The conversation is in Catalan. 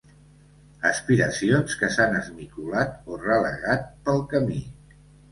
Aspiracions que s’han esmicolat o relegat pel camí.